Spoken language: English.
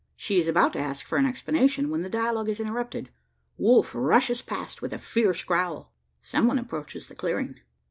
She is about to ask for an explanation, when the dialogue is interrupted. Wolf rushes past with a fierce growl: some one approaches the clearing.